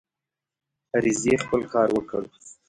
عریضې خپل کار وکړ.